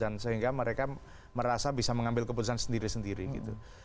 dan sehingga mereka merasa bisa mengambil keputusan sendiri sendiri gitu